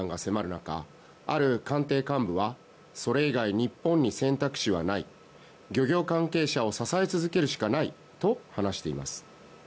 中ある官邸幹部はそれ以外、日本に選択肢はない漁業関係者を支え続けるしかないと話しています。